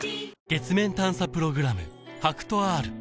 月面探査プログラム